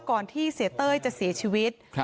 ที่เสียเต้ยจะเสียชีวิต